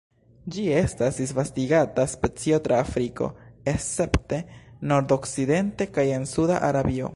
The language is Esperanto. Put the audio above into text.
Ĝi estas disvastigata specio tra Afriko, escepte nordokcidente kaj en suda Arabio.